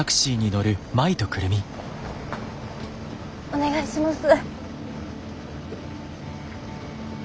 お願いします。